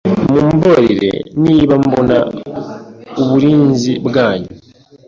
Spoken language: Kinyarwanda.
Mumbabarire niba mbona uburinzi bwanyu